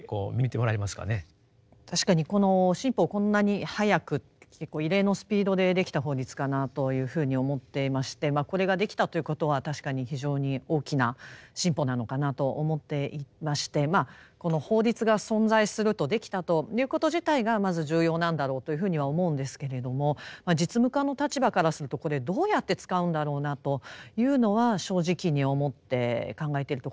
確かにこの新法をこんなに早く結構異例のスピードでできた法律かなというふうに思っていましてこれができたということは確かに非常に大きな進歩なのかなと思っていましてこの法律が存在するとできたということ自体がまず重要なんだろうというふうには思うんですけれども実務家の立場からするとこれどうやって使うんだろうなというのは正直に思って考えているところです。